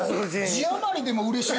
◆字余りでもうれしい。